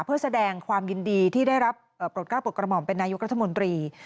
เพื่อแสดงความยินดีที่ได้รับปลดกล้าปลดกระหม่อมเป็นนายกรัฐมนตรี